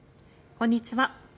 こんにちは。